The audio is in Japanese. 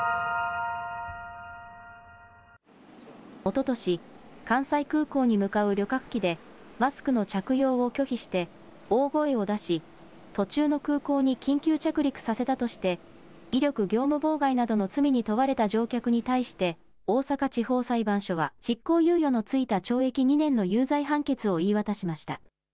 おととし関西空港に向かう旅客機でマスクの着用を拒否して大声を出し途中の空港に緊急着陸させたとして威力業務妨害などの罪に問われた乗客に対して大阪地方裁判所は執行猶予の付いた懲役２年の有罪判決を言い渡しました。